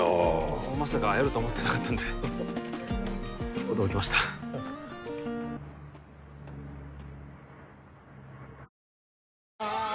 僕もまさか会えると思ってなかったんで驚きましたあーーー！